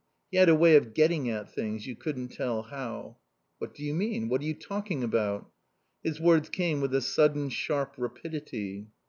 He had a way of getting at things, you couldn't tell how. "What d'you mean? What are you talking about?" His words came with a sudden sharp rapidity.